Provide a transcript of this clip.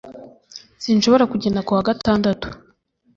Sinshobora kugenda ku wa gatandatu